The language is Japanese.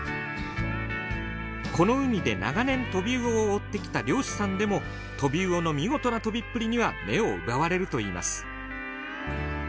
この海で長年トビウオを追ってきた漁師さんでもトビウオの見事な飛びっぷりには目を奪われると言います。